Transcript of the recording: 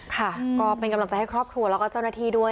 ค่ะก็เป็นกำลังใจให้ครอบครัวแล้วก็เจ้าหน้าที่ด้วย